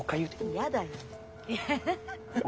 嫌だよ。